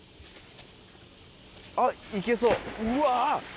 あっ行けそううわ！